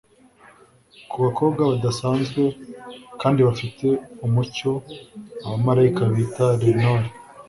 kubakobwa badasanzwe kandi bafite umucyo abamarayika bita lenore